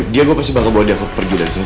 dia gue pasti bakal bawa dia pergi dari sini